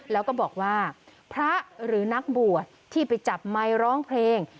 แล้วก็บอกว่าพระหรือนักบวชที่ไปจับไมค์ร้องเพลง